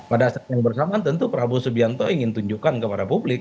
pada saat yang bersamaan tentu prabowo subianto ingin tunjukkan kepada publik